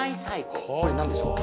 これ何でしょう？